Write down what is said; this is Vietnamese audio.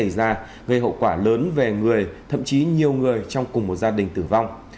gây hậu quả lớn về người thậm chí nhiều người trong cùng một gia đình tử vong